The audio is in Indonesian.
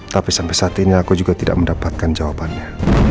tapi sampai saat ini aku juga tidak mendapatkan jawabannya